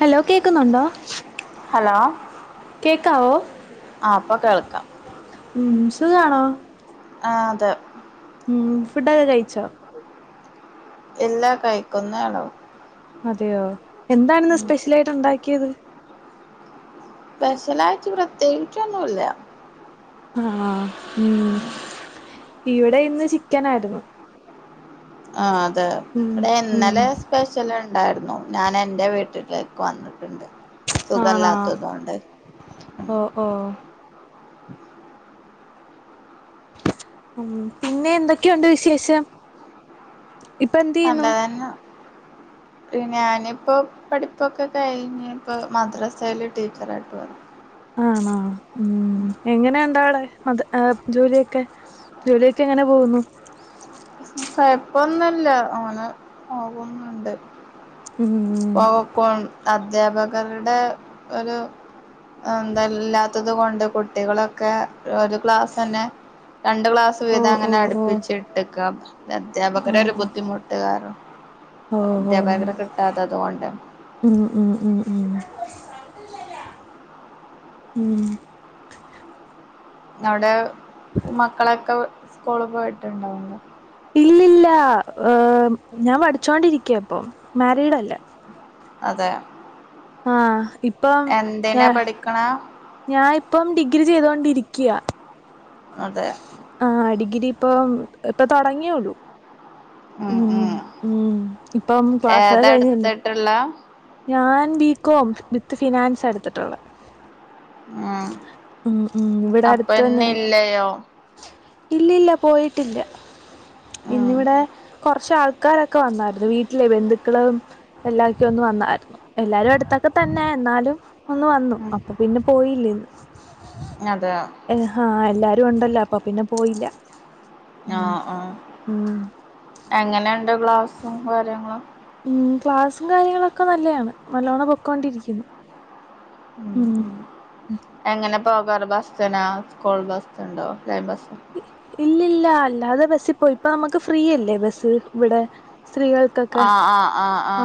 Hello കേക്ക്ന്നുണ്ടോ hello കേക്കാവൊ? ക്കാ ഉം സുഖാണോ? ആഹ് അതെ ഉം ഫുഡൊക്കെ കഴ്ച്ചോ? ഇല്ലാ കഴിക്കുന്നേ ഒള്ളു അതെയോ എന്താണ് ഇന്ന് സ്പെഷ്യൽ ആയിട്ട് ഇണ്ടാ ക്കിയത് സ്പെഷലായിട്ട് പ്രത്യേകിച്ചൊന്നുല്ല അ ആ ഉം ഇവിടെ ഇന്ന് ചിക്കനായിരുന്നു ആ ദാ ഉം ഇവിടെ ഉം ഇന്നലെ സ്പെഷ്യൽ ഉണ്ടായിരുന്നു ഞാൻ എന്റെ വീട്ടില പ്പം വന്ന് ണ്ട് ആണോ സുഖല്ലാത്തതോണ്ട് ഓ ഓ [inaudible] ഉം പിന്നെ എന്തൊക്കെയുണ്ട് വിശേഷം ഇപ്പൊ എന്തെയ്യുന്നു പിന്നെ ഞാനിപ്പോ പഠിപ്പൊക്കെ കഴിഞ് ഇപ്പോ മദ്രസയില് ടീച്ചറായിട്ട് വർ ആണോ ഉം എങ്ങനെ ഉണ്ടവിടെ മത ജോലിയൊക്കെ ജോലിയൊക്കെ എങ്ങനെ പോകുന്നു കോഴപ്പൊന്നുല്ല അങ്ങനെ പോകുന്നുണ്ട് ഉം പോവാക്കോൺ അദ്ധ്യാപകരുടെ ഒരു എന്ത ഇല്ലാത്തത് കൊണ്ട് കുട്ടികളൊക്കെ ഒരു ക്ലാസ്സ് ന്നെ രണ്ട് ക്ലാസ് ഓ വീതം ഓ അങ്ങനെ ഓ അടുപ്പിച്ചിട്ട് ക്ക ആ അധ്യാപകരെ ഒരു ബുദ്ധിമുട്ടു കാരണം ഓ ഓ ത്തതുകൊണ്ട് മ് മ് മ് മ് മ് അവിടെ മക്കളൊക്കെ സ്കൂളി പോയിട്ടുണ്ടോ ഇല്ല ഞാൻ പഠിച്ചോണ്ടിരിക്ക ഇപ്പം മാരീഡല്ല അതെ ആ ഇപ്പം എ എന്തിനാ പഠിക്കണ ഞാനിപ്പം ഡിഗ്രി ചെയ്തൊണ്ടിരിക്കയാ അതെ പ്പം ഇപ്പ തൊടങ്ങിയെയുള്ളു ഉം ഉം ഇപ്പം ക്ലാസ്സൊക്കെ കഴിഞ്ഞല്ലേ. ഏതായെടുത്തിട്ടുള്ളെ ഞാൻ ബികോം വിത്ത് ഫിനാൻസ് എടുത്തിട്ടൊള്ളെ ഉം ഇവിടെ അടുത്ത് തന്നെയാണ്. അപ്പന്നില്ലയോ ഇല്ലില്ല പോയിട്ടില്ല ഉം ഇന്നിവിടെ കൊറച്ചാൾക്കാരൊക്കെ വന്നാരുന്നു വീട്ടിലെ ബന്ധുക്കളും എല്ലാക്കെയൊന്ന് വന്നാരുന്നു എല്ലാരും അടുത്തൊക്കെ തന്നെ എന്നാലും ഒന്ന് വന്നു ഉം അപ്പൊ പിന്നെ പോയില്ലിന്ന് അതെ എ ഹ എല്ലാരും രുഒണ്ടല്ലോ അപ്പൊ പിന്നെ പോയില്ല ആ ഉം ആ ഉം എങ്ങനെണ്ട് ക്ലാസ്സ് [unintelligible] മ് ക്ലാസ്സും കാര്യങ്ങളൊക്കെ നല്ലയാണ് നല്ലോണ്ണം പൊക്കോണ്ടിരിക്കുന്നു ഉം എങ്ങനെ പോകാറ് ബസ്സിനോ സ്കൂൾ ബസ്സുണ്ടോ ലൈൻ ബസ് ഇല്ല അല്ലാതെ ബസ്സിൽ പോയി ഇപ്പ നമുക്ക് ഫ്രീയല്ലേ ബസ് ഇവിടെ സ്ത്രീകൾക്കൊക്കെ ആ ആ ആ ആ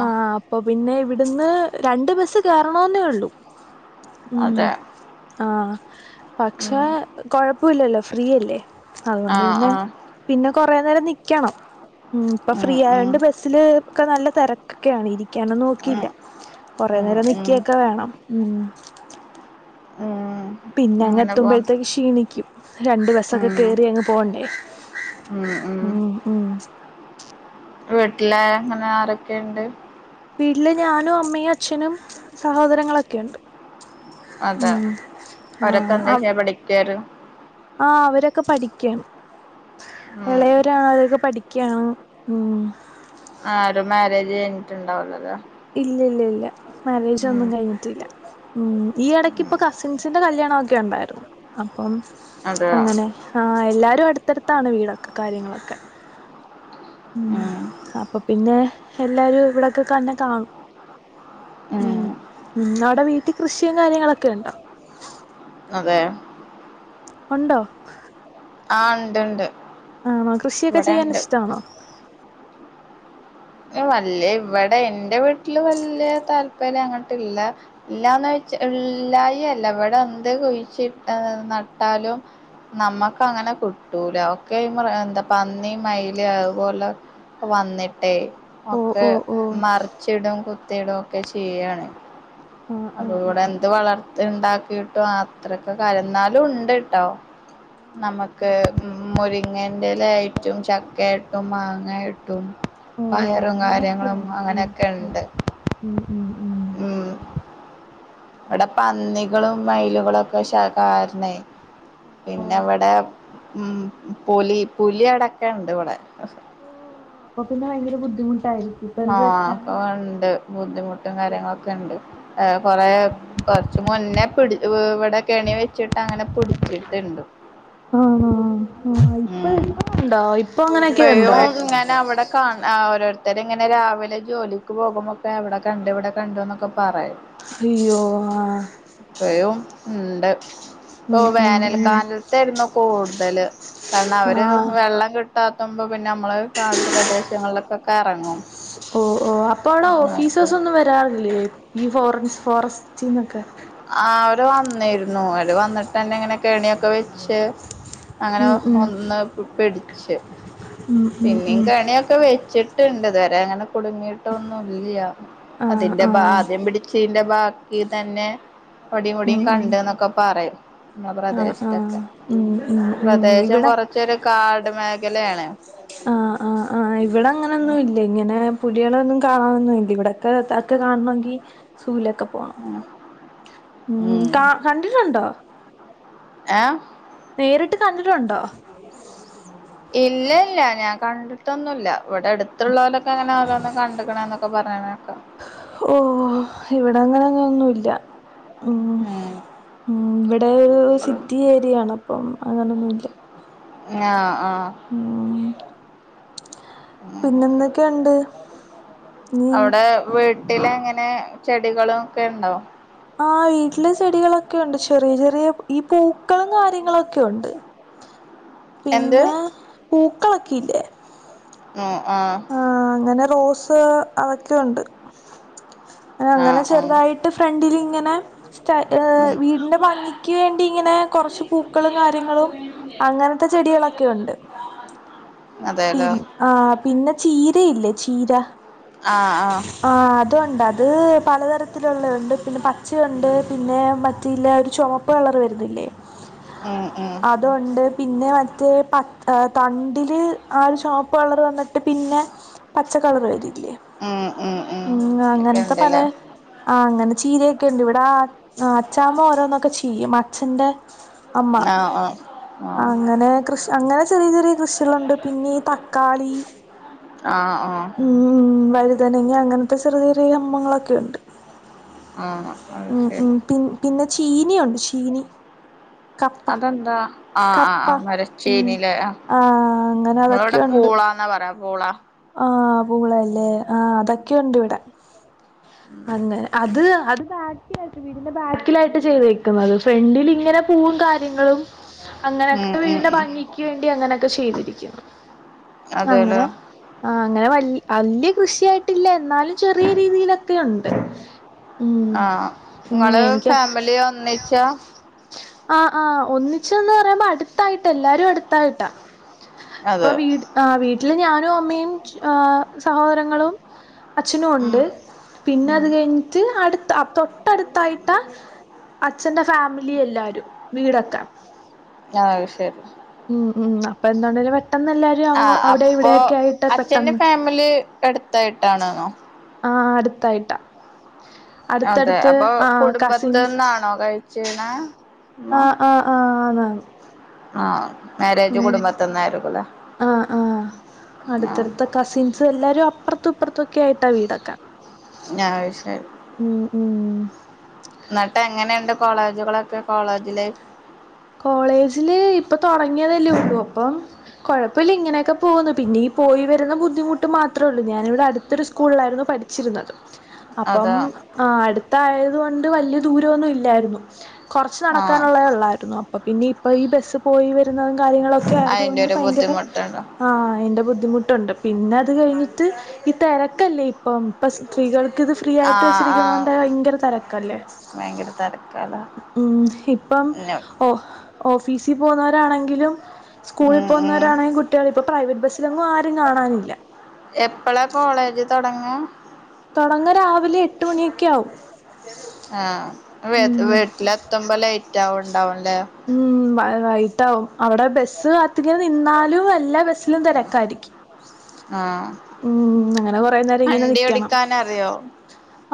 പിന്നെ ഇവിടുന്ന് രണ്ട് ബസ്സ് കേറണോ ന്നെയുള്ളു മ് അതെ ആ പക്ഷെ ഉം കൊഴ പ്പല്ലല്ലോ ഫ്രീയല്ലേ അതുകൊണ്ട് ആഹ് പിന്നെ ആഹ് പിന്നെ കൊറെ നേരം നിക്കണം മ് ഇപ്പൊ ഉം ഫ്രീ ഉം ആയോണ്ട് ബസ്സില് ഒക്കെ നല്ല തെര ഒക്കെയണ് ഇരി [unintelligible] നോക്കിയില്ല ഉം കൊറെ ഉം നേരം ഉം നിക്കിയൊക്കെ വേണം. ഉ ഉം പിന്നെ അങ്ങ് അങ്ങനെ പോണ് എത്തുമ്പോഴത്തേക്ക് ക്ഷീണിക്കും. രണ്ട് ബസ്സൊക്കെ ഉം കേറി അങ്ങ് പോണ്ടേ. ഉം ഉം ഉ ഉ വീട്ടില് ഇങ്ങനെ ആരൊക്കെയുണ്ട്. ഇല്ല ഞാനും, അമ്മയും, അച്ഛനും, സഹോദരങ്ങളൊക്കെഉണ്ട്. അതെ അവരൊക്കെ എന്താച്ചായ്യ പഠിക്കറ്. ആഹ അവരൊക്കെ പഠിക്കൃ. ഉം ഇളയര പഠിക്ക കൃ ഉം ആ ഒരു മാരേജ് കഴിഞ്ഞിട്ട്ണ്ടാവുല്ലേ. ഇല്ല ഇല്ല ഇല്ല മാരേജ് ഒന്നും കഴിഞ്ഞിട്ടില്ല. ഉ ഈ ഇടക്ക് ഉം ഇപ്പ കസിൻസിന്റെ കല്യാണം ഒക്കെ ഉണ്ടായിരുന്നു. [unintelligible] അപ്പം അതെയോ അങ്ങനെ ആ എല്ലരും അടു എടുത്തെടുത്താണ് വീടൊക്കെ കാര്യങ്ങളൊക്കെ. ഉ ഉം അപ്പൊ പിന്നെ എല്ലാരും ഇവിടെക്കെ കന്നെ കാണും. ഉം ഉ അവടെ വീ കൃഷിയും കാര്യങ്ങളൊക്കെ ഇണ്ടോ? അതെ ഉണ്ടോ ആ ഉണ്ട് ഉണ്ട്. ആണോ കൃഷിയൊക്കെ ഇവിടെ ചെയ്യാൻ ഉണ്ട് ഇഷ്ടാണോ. വല്ലിയ ഇവിടെ എന്റെ വീട്ടില് വല്യ താല്പര്യം അങ്ങട്ടല്ല ഇല്ലാന്ന് വെച്ച ഇല്ലായി അല്ല ഇവിടെ എന്ത് കൊഴിച്ച നട്ടാലും നമ്മക്ക് അങ്ങനെ കിട്ടൂല. ഒക്കെ എന്താ പന്നി, മയില്, അതുപോലെ വന്നിട്ടേ. ഓ ഒക്കെ ഓ ഓ മറിച്ചിടും. കു തി ടൊക്കെ ചെയാണ്. ആ ആ അപ്പൊ ആ ഇവിടെ എന്ത് വളർത്തി ഉണ്ടാക്കിട്ടും. അത്രക്കെ കരന്നാലുംഇന്നാലും ഉണ്ട് കേട്ടോ. നമുക്ക് ഉ മുരിങ്ങന്റെലായിറ്റും, ചക്കയട്ടും, മാങ്ങ. അങ്ങായിട്ടും ഓ പയറും കാര്യങ്ങളും അങ്ങനെയൊക്കെയാണല്ലേ അങ്ങനെയൊക്കെ ഉണ്ട്. ആ ഉം ഉം ഉം ഇവിടെ പന്നികളും മയിലുകളും ഒക്കെ ഷാകാരണ്ണേ ഓ പിന്നെ ഇവിടെ ഉം പുലി പുലി അടക്കെണ്ട് ഇവിടെ. അപ്പോ പിന്നെ ഭയങ്കര ബുധിമു ആഹ അപ്പൊ ഉണ്ട് ബുദ്ധിമുട്ടും കാര്യങ്ങളൊക്കെ ഉണ്ട്. കൊറ കുറച്ച് മുന്നേ പിടി ഇവിടെ കെണി വെച്ചിട്ട് അങ്ങനെ പിടിച്ചിട്ടുണ്ട്. ആഹ ആ ഇപ്പൊ ഉം എന്ത ഉണ്ടോ ഇപ്പൊ അങ്ങനെയൊക്കെ ഉണ്ടോ? ഇപ്പഴും ഓരോര്ത്തെര്ങ്ങെനെ രാവിലെ ജോലിക്ക് പോകുമ്പോക്കെ അവ്ടെ കണ്ട് ഇവിടെ കണ്ട്ന്നൊക്കെ പ അയ്യോ, ആ ഉണ്ട് ഇപ്പ ഉം വേനൽക്കാലത്തായിരുന്നു കൂടുതല് കാരണം അവര് ആഹ് വെള്ളം കിട്ട പട്ടാത്തുമ്പോ പിന്നെ നമ്മള് കാട് പ്രദേശങ്ങളിലൊക്കെ ഓ ഓ അപ്പൊ അടെ നോക്കും ഓഫീസേഴ്സ് ഒന്നും വരാറില്ലേ ഈ ഫോൻ ഫോറസ്റ്റ് രാത്തിനഗർ ആ അവര് വന്നിരുന്നു അവര് വന്നിട്ട്ന്നെ ഇങ്ങനെ കെണിയൊക്കെ വെച്ചു അങ്ങനെ ഉം ഉം ഒന്ന് പെടി ശേ ഉം ഉം പിന്നിം ഉം കണിയൊക്കെ വെച്ച് ഇട്ടുണ്ട്തുവരെ അങ്ങനെ കുടുങ്ങിയിട്ടൊന്നുല ആഹ് അതിന്റെ ആഹ് ആദ്യം പിടിച്ചതിന്റെ ബാക്കി തന്നെ ഒടിയ മുടിയും കണ്ട എന്നൊക്കെ പറയും നമ്മളെ ആ ആ പ്രദേശത്തൊക്കെ ഉ ഉ ഈ ഉ പ്രദേശം ഇവിടെ കൊറച്ചൊരു കാട് മേഖലയാണ് ആ ആ ആ ഇവിടെ അങ്ങനൊന്നും ഇല്ല ഇങ്ങനെ പുലികള ഒന്നും കാണ ഇവിടെൊക്കെ കാണെങ്കിൽ സ്ൂലൊക്കെ പോണം മം കാ കണ്ടിട്ടുണ്ടോ ഏ പേരിട്ട് കണ്ടിട്ടുണ്ടോ ഇല്ല്ല ഞാൻ കണ്ടുടൊന്നുള്ള ഇവിടെ അടുത്തുള്ളലൊക്കെ അങ്ങനെ ഓരോന്ന് കണ്ടിക്കണ എന്നൊക്കെ പറന്നേക്കെട്ടു ഒന്നുല്ല ഉം ഉ ഇവിടെ ഒരു സിറ്റി ഏരിയ ആണ് അപ്പം ആണെന്നുള്ള ങ്ങ മം പിന്നെന്തൊക്കെയുണ്ട് നീ അവിടെ വീട് വീട്ടില അങ്ങനെ ചെടിക്കൽ ഒക്കെ ഉണ്ടോ ആ വീട്ടില് ചെടികളൊക്കെ ഉണ്ട് ചെറിയ ചെറിയ ഈ പൂക്കളും കാര്യങ്ങളൊക്കെയുണ്ട് എന്ത് പിന്നെ പൂക്കളൊക്കെ ഇല്ലേ ഉം ആ റോസ് അതൊക്കെയുണ്ട് അ അങ്ങനെ ആഹ് ആഹ് ചെറുതായിട്ട് ഫ്രണ്ടില് ഇങ്ങനെ സ്റ്റ ഏ ഉം വീടിന്റെ ഭംഗിക്ക് വേണ്ടി ഇങ്ങനെ കെറച്ച് പൂക്കളും കാര്യങ്ങളും അങ്ങനത്തെ ചെടികളൊക്കെ ഒണ്ട് പിൻ അതേലോ ആ പിന്ന ചീ ഇതയില്ലേ ചീര ആഹ് ആഹ് ആ അതൊണ്ട് അത് പലതര ത്തിലുള്ളെണ്ട് പിന്നെ പച്ചയൊണ്ട് പിന്നെ മറ്റേ ഇല്ല ഒരു ചുമപ്പ് കളർ വരുന്നില്ലേ ഉം ഉം അതൊണ്ട് പിന്നെ മറ്റേ പ ഏ തണ്ടില് ആ ഒരു ചോപ്പ് കളർ വന്നിട്ട് പിന്നെ പച്ച കളർ വരില്ലേ ഉം ഉം ഒക്കെ അങ്ങനത്തെ പല ഉണ്ടല്ലേ ആ അങ്ങന ചീരയൊക്കെ ഉണ്ട് ഇവിടെ ആ അച്ചാമ്മ ഓരോന്നൊക്കെ ചെയും അച്ഛന്റെ അമ്മ ആഹ് ആഹ് ആഹ് അങ്ങനെ കൃഷി അങ്ങനെ ചെറിയ ചെറിയ കൃഷികളുണ്ട് പിന്നെ ഈ തക്കാളി ആഹ് ആഹ് ഉം വഴു രിങ്ങ അങ്ങനത്തെ ചെറിയ ചെറിയ സംഭങ്ങളൊക്കെ ഒണ്ട് ആഹ് അത് ഉം ഉം ശരി പിൻ പിന്നെ ചീന ഒണ്ട് ചീ തിനി അതെന്താ ആഹ ആഹ് ആ് ഉം മരച്ചേനയില ആ അങ്ങനെ നമ്മള ഇവിടെ പൂളാന്നാ പറയാ വോള ആഹ പൂളാ ല്ലെ ആ അതൊക്കെയ ഒണ്ട് ഇവിടെ അങ്ങനെ അത് അത് ബാക്കിലായിട്ട് വീടിന്റെ ബാക്കിലായിട്ട് ചെയ്ത് വക്കുന്നത് ഫ്രണ്ടിൽ ഇങ്ങനെ പൂവും കാര്യങ്ങളും ഉം അങ്ങനെയൊക്കെ ഉം വീടിന്റെ ഉം ഭംഗിക്ക് വേണ്ടി അങ്ങനെയൊക്കെ ചെയ്തിരി ക്കും അതെലോ ആ അങ്ങനെ വലി വലിയ കൃഷിയ ആയിട്ടില്ല എന്നാലും ചെറിയ രീതിയിലൊക്കെ ഉണ്ട് ഉം ആഹ ഉം നിങ്ങള് ഫാമിലി ഒന്നിച്ചാ ആഹ ആഹ് ഒന്നിച്ചന്ന് പറയുമ്പോ അടുത്തായിട്ടാ എല്ലാരും അടുത്തായിട്ടാ ഇപ്പൊ അതെ വീട് ആഹ വീ ട്ടില് ഞാനും അമ്മയും ട്ടി സഹോദരങ്ങളും അച്ഛനും ഉം ഒണ്ട് പിന്നെ ഉം അത് കയിഞ്ഞിട്ട് അടു ആഹ് തൊട്ടടുത്തായിട്ടാ അച്ഛന്റെ ഫാമിലി എല്ലാരും വീടൊക്കെ ആഹ് അയ്ശരി അപ്പ എന്താണെലും പെട്ടന്ന് എല്ലാരും അങ് അവിടെ ഇവിടെയൊക്കെയയിട്ട് അച്ഛന്റെ ഫാമിലി എടുത്തായിട്ടാണെന്നോ ആഹ് അടുത്തായിട്ടാ അതെ അടുത്തടുത്ത് അപ്പൊ ആഹ് കസിൻസ് കുടുംബത്തിന്നാണോ കഴിച്ചീണെ ഉമ്മ ആഹ് ആഹ് ആഹ് ആണ് ആഹ് മാരേജ് കുടുംബത്തിന്നായിരിക്കുംല്ലേ ആഹ് ആഹ് ആഹ് അടുത്തടുത്ത കസിൻസ് എല്ലാരും അപ്പറത്തുംപ്പുറത്തൊക്കെ ആയിട്ടാ വീടൊക്കെ ആഹ് അയ്ശരി ഉം ഉം പിന്നെ കോളേജ് ലൈഫ് കോളേജില് ഇപ്പൊ തുടങ്ങിയതല്ലേ ഉള്ളൂ അപ്പം കൊഴപ്പമില്ല ഇങ്ങനെയൊക്കെ പോകുന്നു പിന്നെ ഈ പോയി വരുന്ന ബുദ്ധിമുട്ട് മാത്രേ ഉള്ളൂ ഞാനിവിടെ അടുത്തൊരു സ്കൂളിലായിരുന്നു പഠിച്ചത് ഠിച്ചിരുന്നത് അപ്പം അതാ ആ അടുത്ത ആയതുകൊണ്ട് വലിയ ദൂരമൊന്നും ഇല്ലായിരുന്നു കുറച്ച് ആഹ് നടക്കാനുള്ളെ ഉള്ളായിരുന്നു അപ്പ പിന്നെ ഇപ്പൊ ഈ ബസ്സ് പോയി വരുന്ന കാര്യങ്ങളൊക്കെ ആയത് അയിന്റെ കൊണ്ട് ഒരു ഭയങ്കര ബുദ്ധിമുട്ടുണ്ടോ ആഹ് അതിൻ്റെ ബുദ്ധിമുട്ട് ബുദ്ധിമുട്ടുണ്ട് പിന്നെ അത് കഴിഞ്ഞിട്ട് ഈ തിരക്കല്ലേ ഇപ്പം ഇപ്പ സ്ത്രീകൾക്ക് ഫ്രീ ആയിട്ട് ആഹ് ആഹ് വെച്ചിരിക്കുന്നോണ്ട് ഭയങ്കര തിരക്കല്ലേ ഭയങ്കര തെരക്കാല്ലേ മ്മ് ഇപ്പം ഓഫീസിൽ പോവുന്നവരാണെങ്കിലും സ്കൂളിൽ ഉം ഉം പോന്നവരാണെങ്കിൽ കുട്ടികൾ ഇപ്പൊ പ്രൈവറ്റ് ബസ്സിലൊങ്ങും ആരും കാണാനില്ല എപ്പളാ കോളേജ് തൊടങ്ങാ തുടങ്ങ രാവിലെ എട്ട് മണിയൊക്കെ ആവും ആഹ് വീട്ടി ഉം വീട്ടില് എത്തുമ്പോ ലേറ്റ് റ്റാവണു ണ്ടാവുംല്ലേ ഉം വ വൈകിട്ടാവും അവിടെ ബസ് കാത്തിങ്ങനെ നിന്നാലും എല്ലാ ബസ് ലും തിരക്കായിരിക്കും ആഹ് നേരം ഇങ്ങനെ വണ്ടി നിക്കണം ഓടിക്കാന് അറിയോ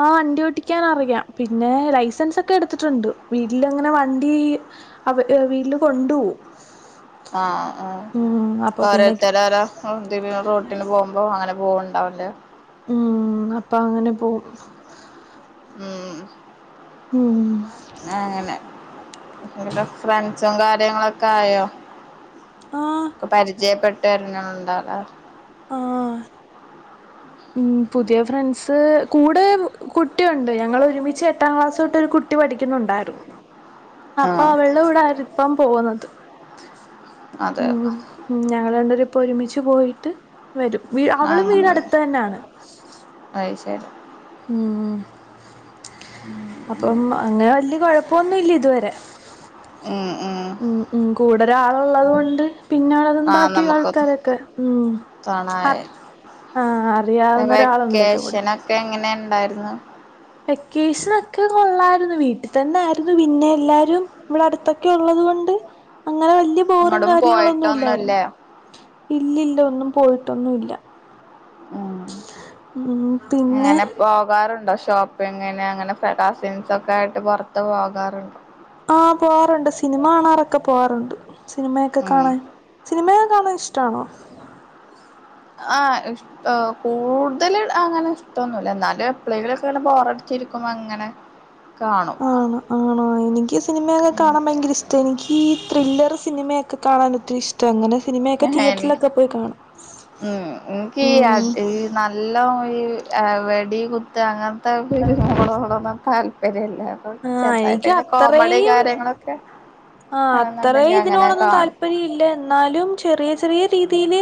ആ വണ്ടി ഓട്ടിക്കാൻ അറിയാം പിന്നെ ലൈസൻസ് ഒക്കെ എടുത്തിട്ടുണ്ട് വീട്ടില് അങ്ങനെ വണ്ടി അവ വീട്ടില് കൊണ്ടു പോവും ആഹ് ആ പിന്നെ ഓരോരുതരോരോ റോട്ടിന് പോകുമ്പോ അങ്ങനെ. പോവു ഉണ്ടാവല്ലേ. ഉം അപ്പൊ അങ്ങനെ പോകുന്നു. ഉം. ഉം. അങ്ങനെ ഫ്രണ്ട്സും കാര്യങ്ങളൊക്കെ ആയോ? ആഹ് പരിചയപ്പെട്ട് തെരഞ്ഞ ഉണ്ടാവൂല. ആ. ഉം പുതിയ ഫ്രണ്ട്സ്. കൂടെ കുട്ടിയുണ്ട് ഞങ്ങളൊരുമിച്ച് എട്ടാം ക്ലാസ് തോട്ട് ഒരു കുട്ടി പഠിക്കുന്നുണ്ടായിരുന്നു. അപ്പൊ ആഹ് അവള്ടെ കൂടെ ആര് ഇപ്പം. പോകുന്നത്. അതെ ഉം ഉം ഞങ്ങള് രണ്ടുപ്പേരും. ഒരുമിച്ച് പോയിട്ട്. വരും അവളും വീടടു ന്നാണ്. ചെ ഉം. അപ്പം അങ്ങനെ വലിയ കുഴപ്പ പോന്നില്ല ഇതുവരെ. ഉം. ഉം ഉം കൂടൊരാ ഉള്ളത് കൊണ്ട്. പിന്നെട് അതൊന്ന് ആഹ് ബാക്കി നമുക്ക് ആൾക്കാരൊക്കെ ഉം കാണായി ആഹ് അറിയാവുന്ന ഒരാളുണ്ടല്ലോ ഇവടെ ണ്ടായിരുന്നു വെക്കേഷനൊക്കെ കൊള്ളായിരുന്നു വീട്ടിൽ തന്നെ ആയിരുന്നു പിന്നെ എല്ലാരും ഇവിടെ അടുത്തൊക്കെ ഉള്ളത് കൊണ്ട് അങ്ങനെ വലിയ ബോറും എങ്ങടും കാര്യങ്ങളൊന്നുംല്ലായിരുന്നു പോയിട്ടൊന്നുല്ലേ ഇല്ലില്ല ഒന്നും പോയിട്ടൊന്നുല്ല ഉ ഉം പിന്നെ അങ്ങനെ പോകാറുണ്ടോ ശ് ഷോപ്പിങ്ങിന് അങ്ങനെ ഫെഡ കസിൻസ് ഒക്കെ ആയിട്ട് പുറത്ത് പോകാറുണ്ട് പോകറുണ്ട് സിനിമയൊക്കെ ഉം കാണാൻ. സിനിമയ കാണാൻ ഇഷ്ടാണോ? ആ് ഇഷ കൂടുതല് അങ്ങനെ ഇഷ്ടോന്നുല്ല എന്നാലും എപ്ളൈല്ക്കെ ഇങ്ങനെ ബോറടിച്ചിരിക്കും അങ്ങനെ കാണും ആണോ ആണോ? എനിക്ക് സിനിമയൊക്കെ ഉം കാണാൻ ഭയങ്കര ഇഷ്ടാ. എനിക്ക് ത്രില്ലർ സിനിമയൊക്കെ കാണാനൊത്തിരി ഇഷ്ടം അങ്ങനെ സിനിമയൊക്കെ എ ഹേ നി തിയേറ്ററിലൊക്കെ പോയി കാണും ഉം ഇൻക്ക് ഉം നല്ല ഈ എ വെടി കുത്ത് അങ്ങന [unintelligible] [inaudible] ആഹ എനിക്ക് അത്രയും കാര്യങ്ങളൊക്കെ ആ ആണെന്നുണ്ടെങ്കി അത്രയും അങ്ങനെ ഇതിനോടൊന്നും കാണും താല്പര്യംമല്ല എന്നാലും ചെറിയ ചെറിയ രീതിയില്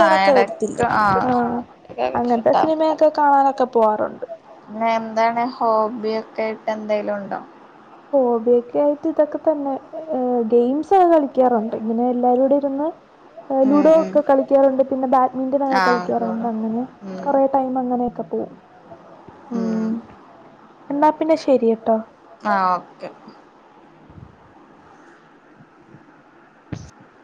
ആഹ് എടക്ക് വരത്തില്ലേ ആ ആഹ് അങ്ങനത്തെ ഇഷ്ടാ സിനിമയൊക്കെ കാണാനൊക്കെ പോവാറുണ്ട് പിന്നെ എന്താണ് ഹോബിയൊക്കെയിട്ട് എന്തേലും ഉണ്ടോ ഹോബിയൊക്കെ ആയിട്ട് ഇതൊക്കെ തന്നെ ഗെയിംസ് ഒക്കെ കളിക്കാറുണ്ട് ഇങ്ങനെ എല്ലാര രൂ ടെ ഇരുന്ന് ഉം ലുഡോ ഉം ഒക്കെ കളിക്കാറുണ്ട് പിന്നെ ബാഡ്മിന്റൺ ഒക്കെ ആഹ് കളിക്കാറുണ്ട് അങ്ങനെ ഉം കുറെ ടൈം അങ്ങനെയൊക്കെ പ്പോ ഉം എന്നാ പിന്നെ ശെരിയട്ടോ ആ ഓക്കെ